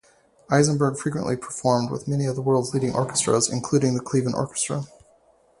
Eisenberger frequently performed with many of the world's leading orchestras, including the Cleveland Orchestra.